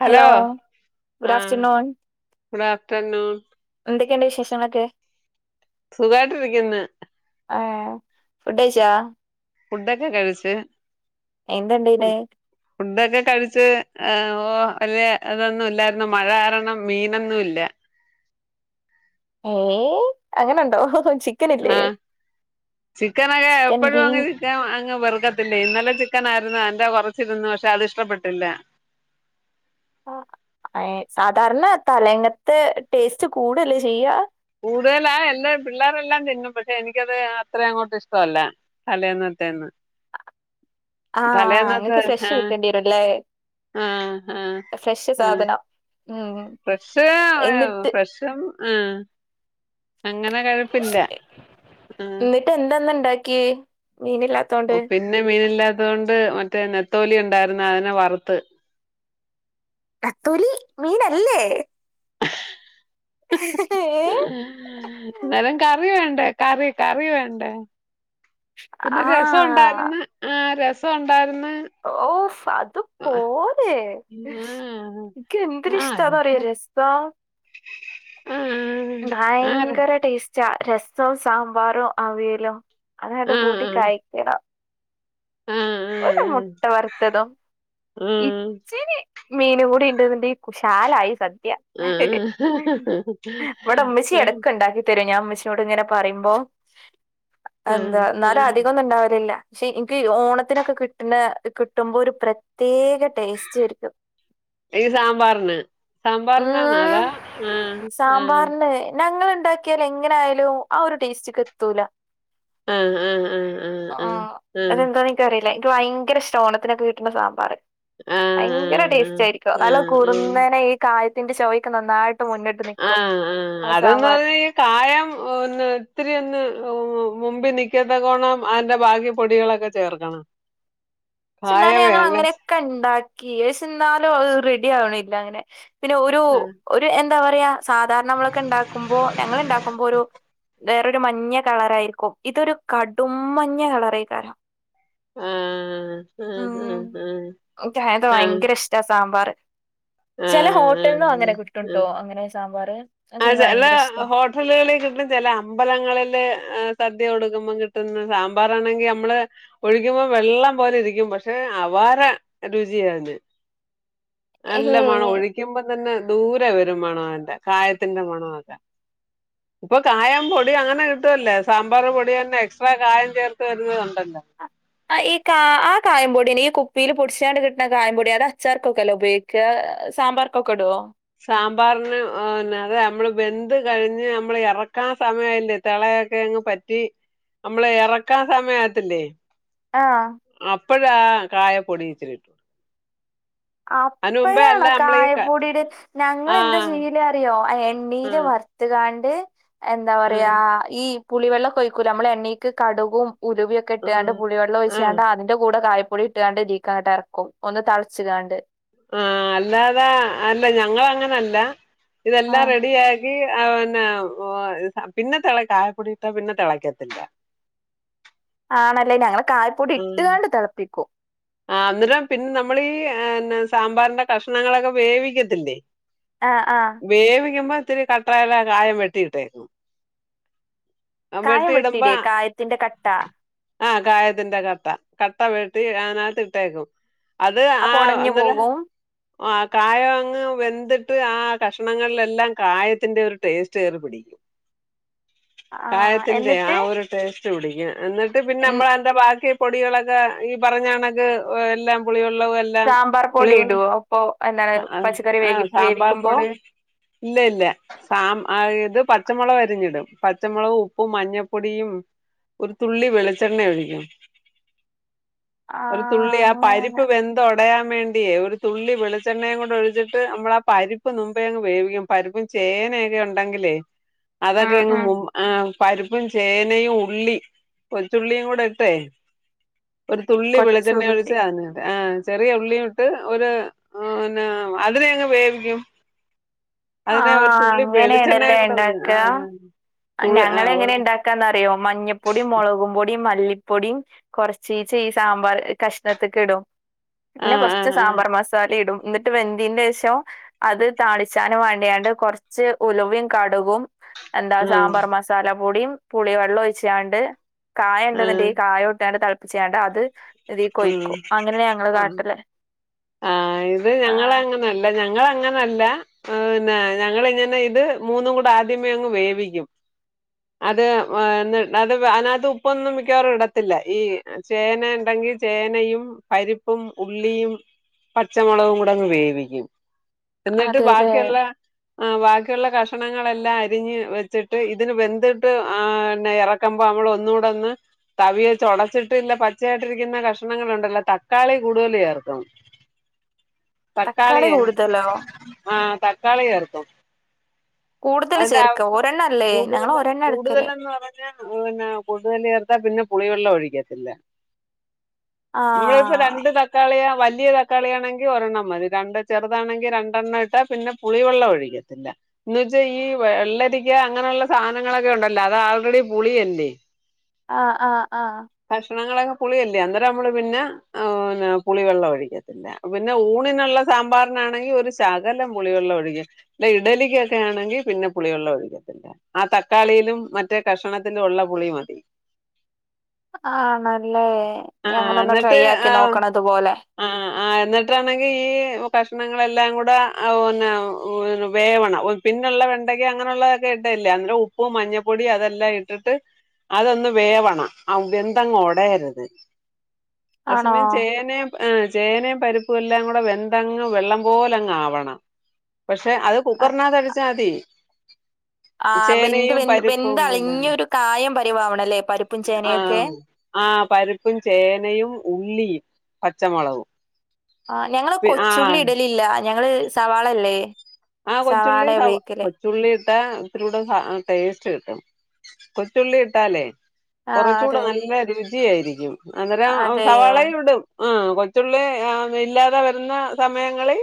Hello good ആ afternoon good afternoon. എന്തൊക്കെയുണ്ട് വിശേഷങ്ങളൊക്കെ? സുഖായിട്ടിരിക്കുന്ന്. ആ ഫുഡ് കഴിച്ചാ. ഫുഡൊക്കെ കഴിച്ച്. എന്തെണ്ട് പിന്നെ. ഫുഡൊക്കെ കഴിച്ച്, ഓ വലിയ ഇതൊന്നും ഇല്ലായിരുന്നു. മഴ കാരണം മീനൊന്നും ഇല്ല. ഏയ് അങ്ങനെണ്ടോ? ആ ചിക്കനൊക്കെ ചിക്കൻ എപ്പോഴും ബീൻ അങ്ങനെ ചിക്കൻ അങ്ങ് വെറുക്കത്തില്ലേ ഇന്നലെ മിടുക്കനായിരുന്നു അതിന്റെ കൊറച്ചിലൊന്നും പക്ഷെ അത് ഇഷ്ടപ്പെട്ടില്ല. ആ ഏ സാധാരണ തലേങ്ങത്തെ ടേസ്റ്റ് കൂടെയല്ലേ ചെയ്യാ. കൂടുതലാ എന്റെ പിള്ളേരെല്ലാം തിന്നും പക്ഷെ എനിക്കത് അത്ര അങ്ങോട്ട് ഇഷ്ടമല്ല തലേന്ന്. [unintelligible] ആ ആ ഇങ്ങക്ക് ഫ്രെഷ് കിട്ടേണ്ടി വരുല്ലേ. ആ ആ ആ. ഉം ഫ്രഷ്.. എന്നിട്ട് ഫ്രഷും ആ. അങ്ങനെ കഴിപ്പില്ല ആ. കെ. ഓ പിന്നെ മീനില്ലാ അതുകൊണ്ട് മറ്റേ നത്തോലി ഉണ്ടായിരുന്ന് അതിനെ വറുത്ത്. നത്തോലി മീനല്ലേ. ഏഹ് നേരം കറി വേ കറി കറി വേണ്ടേ പിന്നെ ആഹ് രസോണ്ടായിരുന്നു ആ രസ രസോണ്ടായിരുന്നു. ഓഫ് അത് പോരെ. എനിക്ക് ആ എന്തൊരു ആ അതെ ഇഷ്ടാന്നറിയോ രസോ ആ ആ ആ ഭയങ്കര ടേസ്റ്റാ രസവും സാമ്പാറും അവിയലും. അതായിട്ട്. ആ ആ ആ കൂട്ടി ആ കഴിക്കണം. ഒരു മുട്ട വറുത്തതും ആ ഇത്തിരി മീനും കൂടി ഇണ്ടതിന്റെ ശാലായി സദ്യ. ആ ആ സദ്യ, ഇവിടെ ഉമ്മച്ചി ഇടക്ക് ഉണ്ടാക്കി തരും ഞാൻ ഉമ്മച്ചിയോടിങ്ങനെ പറയുമ്പോ ആ. എന്താ എന്നാലും അധികന്നും ഉണ്ടാവലില്ല. പക്ഷെ എനിക്ക് ഓണത്തിനൊക്കെ കിട്ടണ കിട്ടുമ്പോ ഒരു പ്രത്യേക ടേസ്റ്റ് ഇല്ല. ഇത് സാമ്പാറിന്. സാമ്പാറിനാണോ അതാ ഉം ആ ആ. സാമ്പാറിന് ഞങ്ങൾ ഉണ്ടാക്കിയാൽ എങ്ങനെ ആയാലും ആ ഒരു ടേസ്റ്റ് കിട്ടൂല. ആ ആ ആ ആ ആ ആ. ഇല്ല എനിക്ക് ഭയങ്കര ഇഷ്ടാ ഓണത്തിനക്കെ കിട്ടുന്ന സാമ്പാറ്. ആഹ് ഭയങ്കര ടേസ്റ്റ് ആയിരിക്കോ നല്ല ആഹ് ആഹ് കുറുന്നേനെ ഈ കായത്തിന്റെ ചൊവ്വയൊക്കെ നന്നായിട്ട്. മുന്നിട്ട് ആ നിക്കും ആ ആ അതന്ന് സാമ്പാറിന് പറഞ്ഞൽ കായം ഒന്ന് ഇത്തിരി ഒന്ന് [unintelligible] മുമ്പിനിക്കത്തകോണം അതിന്റെ ഭാഗ്യ പൊടികളൊക്കെ ചേർക്കണം ച്ച്ന്നാലും കായവേ അല്ലേ ഞങ്ങളങ്ങനെക്കെണ്ടാക്കി എഷേ എന്നാലുത് റെഡി ആവണില്ല അങ്ങനെ പിന്നെ ഒരു ആഹ് ഒരു എന്താ പറയാ സാധാരണമ്മളൊക്കെണ്ടാക്കുമ്പോ ഞങ്ങള്ണ്ടാക്കുമ്പോ ഒരു വേറൊരു മഞ്ഞ കളറായിര്ക്കും ഇതൊരു കടും മഞ്ഞ കളറേ ക ആഹ്.... ആഹ് അഹ് എനിക്കങ്ങനത്തെ അഹ് ഭയങ്കര ഇഷ്ടാ അഹ് സാമ്പാറ് ചെല ആഹ് ഹോട്ടൽന്നും അഹ് അങ്ങനെ അഹ് കിട്ടുംട്ടോ അഹ് അങ്ങനെ സാമ്പാറ് അതെനിക്ക് അജ്അല്ല ഭയങ്കര ഇഷ്ടാ ഹോട്ടല്കളി [unintelligible] ചെല അമ്പലങ്ങളില് സദ്യ കൊടുക്കുമ്പം കിട്ടുന്ന സാമ്പാറാണെങ്കിൽ മ്മള് ഒഴിക്കുമ്പോം വെള്ളം പോലിരിക്കും പക്ഷെ അവ പാര രുചിയായ്ന്ന് നല്ല മണം ഏഹ് ഒഴിക്കുമ്പം തന്നെ ദൂരെ വരും മണന്റെ കായത്തിന്റെ മണൊക്കെ ഇപ്പൊ കായം പൊടിയങ്ങനെ കിട്ടുവല്ലേ സാമ്പാർ പൊടിയന്നെ എക്സ്ട്രാ കായം ചേർത്ത് വരുന്നുന്നത്ണ്ടല്ലോ ആഹ് ഈ കാ ആ കായം പൊടിന്നെ ഈ കുപ്പിൽ പൊടിച്ചാണ്ട് കിട്ന്ന കായം പൊടി അത് അച്ചാർക്കൊക്കെ അല്ലോ ഉപെയ്ക്ക സാമ്പാർകൊക്കടുവോ സാമ്പാറിന് ന്നെ അതെ നമ്മള് ബെന്ത് കഴിഞ്ഞ് നമ്മള് എറക്കാൻ സമയായില്ലേ തെളെ ളെക്കെങ് പറ്റി നമ്മളെറക്കാൻ സമയത്തില്ലേ ആഹ് ഇപ്പഴാ കായ പൊടി ഇച്ചിരിട്ടു അപ്പഴണോ ഈ ക കായപ്പൊടിടെ ആ ഞങ്ങെന്താ ചെയീല് അറിയോ ആ ആ എണ്ണീയില് വറുത്തുകാണ്ട് എന്താ ആ പറയാ ഈ പുളിവെള്ളോകൊഴിക്കുല്ലേ നമ്മൾ എണ്ണീക്ക് കടുകും ആ ഉലുവക്കെട്ടാണ്ട് പുളി ആ വെള്ളൊയ്ച്ചാണ്ട് അതിന്റെ കൂടെ കായ പൊടി ട്ടാണ്ട് ഇതീക്കങ്ങട്ട് എർക്കും ഒന്ന് തൾച്ച്ക്കാണ്ട്. ആഹ് അല്ലാതെ അല്ല ഞങ്ങളങ്ങനല്ല ഇതെല്ലാം ആഹ് റെഡി യാ ക്കി എഹ് പിന്നെ ഓഹ് പിന്നെ തെള കായപ്പൊടിയിട്ടാ പിന്നെ തെളക്കത്തില്ല. ആണല്ലേ ഞങ്ങള് കായപ്പൊടി ഉം ഇട്ട്കാണ്ട് തെളപ്പിക്കും. ആഹ് ന്നട്ട് പിന്നെ നമ്മളീ ഏഹ് എന്ന സാമ്പാറിന്റെ കഷ്ണങ്ങളൊക്കെ വേവിക്കത്തില്ലേ. ആ ആ വേവിക്കുമ്പോ ഇത്തിരി കട്ടായല്ല കായം വെട്ടിയിട്ടേക്കും. കായം വെട്ടിയിടുമ്പ വെട്ടിയില്ലേ കായത്തിന്റെ കട്ട ആഹ് കായത്തിന്റെ കട്ട. കട്ട വെട്ടി അതിനകത്ത് ഇട്ടേക്കും അത് ആ അപ്പൊ ഉടഞ്ഞു അന്നേര പോകും ആ കായോ അങ്ങ് വെന്ത്ട്ട് ആ കഷ്ണങ്ങളിലെല്ലാം കായത്തിന്റെ ഒരു ടേസ്റ്റേറി പിടിക്കും. ആ കായത്തിന്റെ ആ എന്നിട്ട് ഒരു ടേസ്റ്റ് പിടിക്കും എന്നിട്ട് പിന്നെ ഉം, അമ്മളയ്ൻ്റെ ബാക്കി പൊടികളൊക്കെ ഈ പറഞ്ഞാണക്ക് എല്ലാം പുളികൾ ള് വെല്ലാം സാമ്പാർ പൊടി പുളിവെൾ ഇടുവോ അപ്പൊ എന്താണ് അഹ് പച്ചക്കറി വേവി ആഹ് സാമ്പാർ വേവിക്കുമ്പോ പൊടി ഇല്ല ഇല്ല സാം ആഹ് ഇത് പച്ചമുളക് വരിഞ്ഞിടും പച്ചമുളകും ഉപ്പും മഞ്ഞപ്പൊടിയും ഒരു തുള്ളി വെളിച്ചെണ്ണ ഒഴിക്കും. ആ ഒരു തുള്ളി ആ പരിപ്പ് അങ്ങനെ വെന്ത ഒട ടയാൻ വേണ്ട്യേ ഒരു തുള്ളി വെളിച്ചെണ്ണയും കൂടൊഴിച്ചിട്ട് അമ്മൾ ആ പരിപ്പ് മുമ്പേങ്ങ് വേവിക്കും പരിപ്പും ച് ചേനയൊക്കെ ഉണ്ടെങ്കിലേ ഉം അതൊക്കെങ് ഉം മും ആഹ് പരിപ്പും ചേനയും ഉള്ളി കൊച്ചുള്ളിയും കൂടെട്ടേ ഒരു തുള്ളി കൊച്ചുള്ളി വിളച്ചെണ്ണയൊഴിച്ച് അതിനകത്ത് ആഹ് ചെറിയ ഉള്ളിയും ഇട്ട് ഒര് പിന്നെ അതിനെയങ്ങ് വേവിക്കും. ആ അതിനെ ഒരു തുള്ളി വെളിച്ചെണ്ണയും അങ്ങനെയാണല്ലേ കൂടെ ഉണ്ടാക്കുക ആഹ്. ഞങ്ങൾ എങ്ങനെ ഉണ്ടാക്കാന്നറിയോ മഞ്ഞപ്പൊടി മുളകും പൊടി മല്ലി പ്പൊടിയും കൊറചീച്ച ഈ സാമ്പാർ കഷ്ണത്തിക്ക് ഇടും. ആ പിന്നെ ആ കൊറച്ച് ആ ആ സാമ്പാർ മസാല ഇടും എന്നിട്ട് വെന്തീന്റെശം അത് താളിച്ചാനും വാ ചെയ്യാണ്ട് കൊറച്ച് ഉലുവയും കടുകും എന്താ ആ സാമ്പാർ മസാല പൊടിയും പുളിവെള്ളം ഒഴിച്ചാണ്ട് കായ ഉണ്ടെന്നണ്ട്ഈ കായ ഇട്ടാണ്ട് തിളപ്പിച്ചാണ്ട് അത് ഇതീകൊയ്ക്കും ഉം, അങ്ങനെയ ഞങ്ങള് ആ. കാട്ടല് ആ ഇത് ആഹ് ഞങ്ങളങ്ങനെല്ല ഞങ്ങങ്ങനെ ല്ല പിന്നെ ഞങ്ങിങ്ങനെ ഇത് മൂന്നും കൂടെ ആദ്യമേ അങ്ങ് വേവിക്കും അത് [unintelligible] അത് അതിനകത്ത് ഉപ്പൊന്നും മിക്കവാറും ഇടത്തില്ല ഈ ചേന ഇണ്ടെ ങ്കി ചേനയും പരിപ്പും ഉള്ളിയും പച്ചമുളകും കൂടെ അങ്ങ് വേവിക്കും എന്നിട്ട് അതെല്ലേ ബാക്കിയുള്ള ആ ബാക്കിയുള്ള കഷണങ്ങളെല്ലാം അരിഞ്ഞ് വെച്ചിട്ട് ഇതിന് വെന്തിട്ട് ആന്നെ എറക്കുമ്പ നമ്മള് ഒന്നൂടൊന്ന് തവിവെച്ചൊടച്ചിട്ട് ഇല്ല പച്ചയായിട്ടിരിക്കുന്ന കഷ്ണങ്ങളുണ്ടല്ലൊ തക്കാളി കൂടുതല് ചേർക്കും തക്കാളി തക്കാളിയെ കൂടുതലോ ആ തക്കാളി ചേർക്കും കൂടുതല് അതിന്റെ ആ ചേർക്ക ഒരെണ്ണം അല്ലേ ഞങ്ങള് കൂടുതൽ ഒരെണ്ണ എടുക്കല് കൂടുതലന്ന് പറഞ്ഞാ പിന്നെ കൂടുതൽ ചേർത്താ പിന്നെ പുളിവെള്ളം ഒഴിക്കത്തില്ല നമ്മളിപ്പോ ആഹ് രണ്ട് തക്കാളിയാ വലിയ ത ക്കാളിയാണെങ്കിൽ ഒരെണ്ണം മതി രണ്ട് ചെറുതാണെങ്കിൽ രണ്ടെണ്ണം ഇട്ടാ പിന്നെ പുളിവെള്ള ഒഴിക്കത്തില്ല ച്ച ഈ വെള്ളരിക്ക അങ്ങനെയുള്ള സാധനങ്ങളൊക്കെ ഒണ്ടല്ലോ അത് ആൾറെഡി പുളിയല്ലേ ആ ആ ആ കഷ്ണങ്ങളൊക്കെ പുളിയല്ലേ അന്നേരം നമ്മള് പിന്ന ആ ന്ന പുളി വെള്ളം ഒഴിക്കും പിന്നെ ഊണിനുള്ള സാമ്പാറിനാണെങ്കി ഒരു ശകലം പുളിവെള്ളം ഒഴിക്കും അല്ല ഇഡലിക്കൊക്കെയാ ണെങ്കി പിന്നെ പുളിവെള്ളം ഒഴക്കത്തില്ല ആ തക്കാളിയിലും മറ്റേ കഷണത്തിലും ഒള്ള പുളി മതി ആണല്ലേ ആ ഇനി അങ്ങനെ ഒന്ന് ട്രൈ എന്നിട്ട് ആക്കി നോക്കണം ഇതുപോലെ ആഹ് ആ എന്നിട്ടാണെങ്കി ഈ കഷ്ണങ്ങളെല്ലാം കൂടെ ആ പിന്നെ വേവണം ഓ പി ന്നൊള്ള വെണ്ടക്ക അങ്ങനുള്ളതൊക്കെ ഇട്ടയല്ലേ അന്നരം ഉപ്പ് മഞ്ഞപ്പൊടി അതെല്ലാം ഇട്ടിട്ട് അതൊന്ന് വേവണം ഔ വെന്തങ്ങ് ഒടയണം അ ആണോ സമയം ചേനേം ആ ചേനയും പരിപ്പും എല്ലാം കൂടെ വെന്തങ്ങ് വെള്ളം പോലങ്ങ് ആവണം പക്ഷെ അത് ആ കുക്കറിനകത്ത് അടിച്ചാതി ആ വെന്ത് വെന്ത് വെന്ത് ഉള്ളില്ലേ അളിഞ്ഞൊരു കായം പരിവം ആവണല്ലേ പരിപ്പും ചേനയൊക്കെ ആ പരുപ്പും ചേനയും ഉള്ളിയും പച്ചമുളകും ആ ഞങ്ങള് കൊച്ചുള്ളി ആഹ് ഇടലില്ല ഞങ്ങള് സവാളല്ലേ ആഹ് കൊച്ചുള്ളി സവാളയാ സവാ ഉപയോഗിക്കല്. കൊച്ചുള്ളി ഇട്ട ഇത്തിരി കൂടെ ടേസ്റ്റ് കിട്ടും കൊച്ചുള്ളി ഇട്ടാലേ ആ കുറച്ച കൂടെ അതെ. നല്ല രുചിയായിരിക്കും അന്നേരം അതെയോ? സവാളയും ഇടും ആ കൊച്ചുള്ളി അ ഇല്ലാതെ വരുന്ന സമയങ്ങളിൽ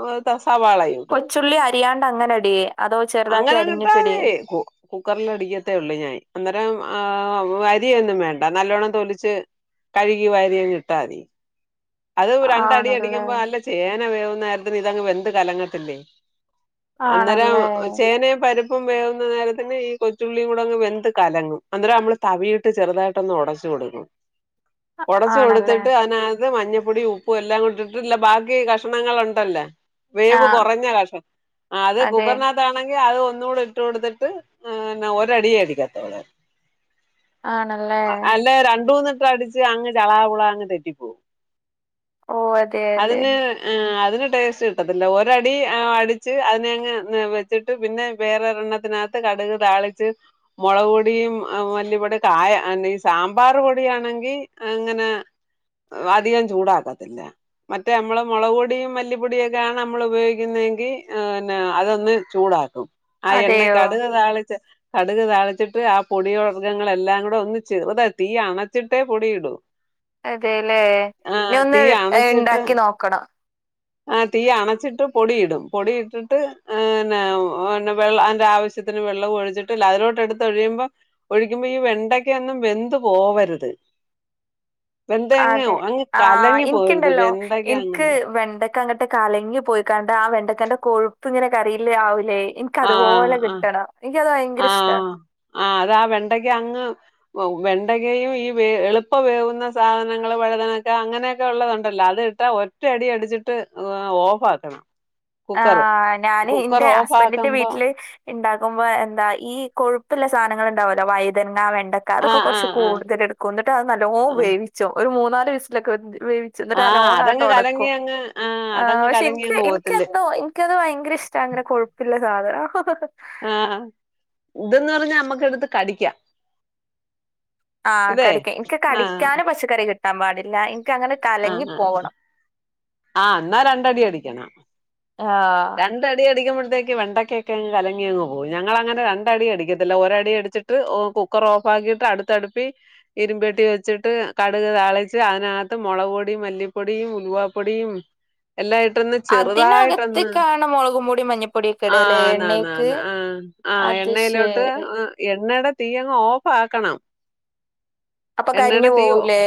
അ ത സവാള കൊച്ചുള്ളി അരിയാണ്ടങ്ങനെ ഇടിയെ അങ്ങനെന്ന ഇട്ടാ മതി കു കുക്കറിൽ അടിക്കത്തേ ഉള്ള് ഞാൻ അന്നേരം ആ വരിയൊന്നും വേണ്ട നല്ലോണ്ണം തൊലിച്ച് കഴുകി വാരിയങ്ങ് ഇട്ടാതി അത് രണ്ടടി ആണല്ലേ? അടിക്കുമ്പോ അല്ല ചേന വേവുന്ന നേരത്തിന് ഇതങ് വെന്ത് കലങ്ങത്തില്ലേ അന്നേരം ആണല്ലേ? ചേനയും പരു പ്പും വേവുന്ന നേരത്തിന്നെ ഈ കൊച്ചുള്ളിയും കൂടങ്ങ് വെന്ത് കലങ്ങും അന്നരം നമ്മള് തവിയിട്ട് ചെറുതായിട്ടൊന്ന് ഒടച്ചു കൊടുക്കും ആ- ഒടച്ചു ആണല്ലേ? കൊടുത്തിട്ട് അതിനകത്ത് മഞ്ഞ പൊടിയും ഉപ്പും എല്ലാം കൊണ്ടിട്ടിട്ട് ഇല്ല ബാക്കി കഷണങ്ങൾ ഒണ്ടല്ല ആ വേവ് കുറഞ്ഞ കഷം അ അത് അതെ. കുക്കർനാത്താണെ ങ്കി അത് ഒന്നുകൂടെ ഇട്ട് കൊടുത്തിട്ട് ന്നെ ഒരടിയെ അടിക്കത്തോള് ആണല്ലേ? അല്ല രണ്ടൂന്നിട്ട് അടിച്ച് അങ്ങ് ചളാപുള അങ്ങ് തെറ്റിപ്പോവും ഓ അതെ അതെ. അതിന് ആ അതിന് ടേസ്റ്റ് കിട്ടത്തില്ല ഒരടി അടിച്ച് അതിനെങ്ങ് വെച്ചിട്ട് പിന്നെ വേറെരെണ്ണത്തിനാ ത്ത് കടുക് താളിച്ച് മുളക് പൊടിയും മല്ലിപൊടി കായ ഈ സാമ്പാർ പൊടിയാണ് അങ്ങനെ അധികം ചൂടാക്കത്തില്ല മറ്റേ നമ്മള് മുളക് പൊടിയും മല്ലിപ്പൊടിയും ഒക്കെയണ് നമ്മൾ ഉപയോഗിക്കുന്നതെങ്കി പിന്നെ അതൊന്ന് ചൂടാക്കും ആ എണ്ണ അതെയോ? കടുക താളിച്ച കടുക് താളിച്ചിട്ട് ആ പൊടിയ വർഗ്ഗങ്ങളെല്ലാം കൂടെ ഒന്ന് ചെറുതാ തീ അണച്ചിട്ടേ പൊടി ഇടും അതെല്ലേ ന ഒന്ന് അണച്ചിട്ട് ഉണ്ടാക്കി നോക്കണം ആ തീ അണച്ചിട്ട് പൊടിയിടും പൊടിയിട്ടിട്ട്ന്നെ വെള്ള ആയിൻ്റെ ആവശ്യത്തിന് വെള്ളം ഒഴിച്ചിട്ടില് അതിലോട്ട് എടുത്ത് ഒഴിയുമ്പോ ഒഴിക്കുമ്പോ ഈ വെണ്ടക്ക ഒന്നും വെന്ത് പോവരുത് വന്ത എങ് അ ആ എനിക്കുണ്ടല്ലോ എനിക്ക് വെണ്ടക്ക അങ്ങോട്ട് കലങ്ങി പോയിക്കാണ്ട് ആ വെണ്ടക്കന്റെ കോ ഇങ്ങിനെ കറിയില്ലേ ആാവൂലേ എനിിക്കതുപോലെ കിട്ടണം എനി ആ ആ അതാ വെണ്ടക്ക അങ്ങ് വെണ്ടക്കയും ഈ വ എളുപ്പ വേവുന്ന സാധനങ്ങൾ വഴുതനക്കെ അങ്ങനെയൊക്കെ ഉള്ളതുണ്ടല്ലോ അത് ട്ട ഒറ്റയടി അടിച്ചിട്ട് ഓഫ് ആക്കണം കുക്കറ് ആ് ഞാന് കുക്കർ എന്റെ ഓഫ് ഹസ്ബൻറിന്റെ ആക്കുമ്പോ വീട്ടില് ഉണ്ടാക്കുമ്പോ എന്താ ഈ കൊഴുപ്പുള്ള സാധനങ്ങൾ ഉണ്ടാവല്ലോ വൈതനങ്ങ വേണ്ട ഉണ്ടക്കാ അതൊക്കെ ആഹ് കുറച്ച് ആഹ് ആഹ് കൂടുതല എടുക്കും എന്നിട്ട് അത് നല്ലോ ആഹ് വേിച്ചും ഒരു മൂന്നാല് വിസിലൊക്കെ വപേവിച്ച എന്നിട്ട് ആഹ് അലോൺ ആയിട്ട് അതങ്ങ് കലങ്ങി ഉടക്കും അങ്ങ് ആഹ് ആ അതങ്ങ് പക്ഷെ കലങ്ങി എനിക്ക് അങ്ങ് പോകത്തില്ലേ എനിക്കന്തോ എനിക്കത് ഭയങ്കര ഇഷ്ടാ അങ്ങനെ കൊഴപ്പില്ല സാധന ആ ഇതന്ന് പറഞ്ഞാ നമ്മക്ക എടുത്ത് കടിക്കാം ആഹ് ഇതേ കടിക്കാൻ എനിക്ക് കടിക്കാനും പച്ചക്കറി കിട്ടാൻ പാടില്ല അങ്ങനെ ആ കലങ്ങി ആ ആ പോവണം ആ എന്നാ രണ്ടടി അടിക്കണ ആഹ് രണ്ട അടി അടിക്ക്പഴത്തേ വെണ്ടക്കൊക്കെങ്ങ് കലങ്ങിയങ്ങ് പോയി ഞങ്ങൾങ്ങനെ രണ്ട അടി അടിക്കത്തില്ല ഒരടി അടിച്ചിട്ട് കുക്കർ ഓഫാക്കി അടുത്തടുപ്പി ഇരുമ്പെട്ടി വെച്ചിട്ട് കടുക് താളിച്ച് അതിനകത്ത് മുളക് പൊടിയും മല്ലിപ്പൊടിയും ഉൽവാപ്പൊടിയും എല്ലായിട്ടൊന്ന് ചെറുതായിട്ടൊന്ന് അതിനകത്തേക്കാണ് മുളകും പൊടി മഞ്ഞപ്പൊടിയൊക്കെ ഇടല്ലേ എണ്ണേക്ക് ആനാനന്ന ആ ആ അത് എണ്ണയിലോട്ട് ശരി എണ്ണയുടെ തീയങ്ങ് ഓഫ് ആക്കണം അപ്പൊ എണ്ണയുടെ കരിഞ്ഞു തീയോ പോകൂലേ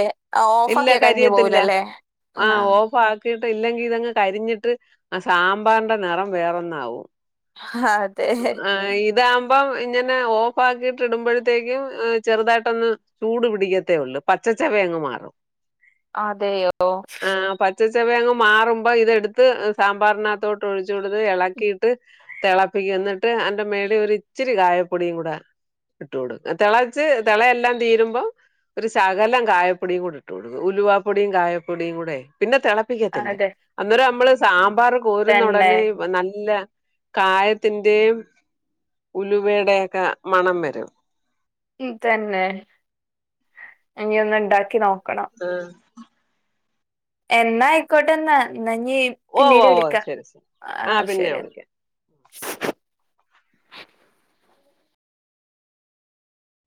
ഓഫ് ഇല്ല കരിഞ്ഞു കരിയത്തില്ല പോവൂലല്ലേ ആ ആഹ് ഓ ട്ട് ഇല്ലെങ്കിൽ ഇതങ്ങ് കരിഞ്ഞിട്ട് ആ സാമ്പാറിന്റെ നിറം വേറൊന്നാവും അ അതെ ഇപ്പം ഇങ്ങനെ ഓഫ് ആക്കിട്ട ഇടുമ്പോഴത്തേക്കും ചെറുതായിട്ടൊന്ന് ചൂട് പിടിക്കത്തേ ഉള്ളൂ പ ച്ച വങ്ങങ് മാറും അതെയോ വേ മാറുമ്പോ ഇതെടുത്ത് സാമ്പാറിനകത്തോട്ട് ഒഴിച്ചു കൊടുത്ത് ഇളക്കിയിട്ട് തിളപ്പിക്ക ചെന്നിട്ട് എന്റെ മേള ഒരു ഇച്ചിരി കായപ്പൊടിയും കൂട ഇട്ടോടും തിളച്ച് തിളയെല്ലാം തീരുമ്പോം ഒരു ശകലം കായപ്പൊടിയും കൂടി ഇട്ട്കോടു ഉലവാപ്പൊടിയും കായപ്പൊടിയും കൂടെ പിന്നെ തിളപ്പിക്കത്തില്ല അതെ അന്നരം നമ്മള് സാമ്പാർ കോരുന്ന തന്നെ ഉടനെ നല്ല കായത്തിന്റെയും ഉലുവയുടെ ഒക്കെ മണം വരും തന്നെ ഇന ഒന്ന് ഉണ്ടാക്കി നോക്ക ആ എന്നാ ആയിക്കോട്ടെ എന്നാ നീ ഓ പിന്നീട് ഓ ഓ വിളിക്കാം ശരി ശരി ആ പിന്നെ ശരി വിളി